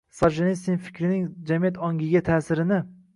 Soljenitsin fikrlarining jamiyat ongiga ta’sirini